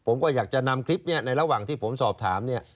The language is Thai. ผมก็อยากจะนำคลิปนี้ในระหว่างที่ผมสอบถามเนี่ย